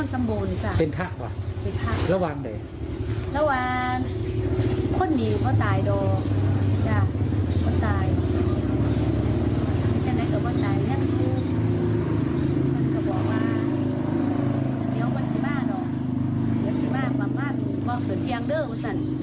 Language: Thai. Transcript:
ก็เห็นโตเลยค่ะ